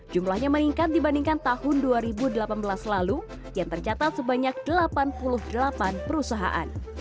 jumlahnya meningkat dibandingkan tahun dua ribu delapan belas lalu yang tercatat sebanyak delapan puluh delapan perusahaan